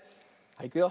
いくよ。